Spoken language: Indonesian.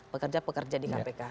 pekerja pekerja di kpk